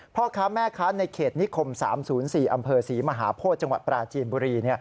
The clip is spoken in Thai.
พ่อค้าแม่ค้าในเขตนิคม๓๐๔อำเภอศรีมหาโพธิจังหวัดปราจีนบุรี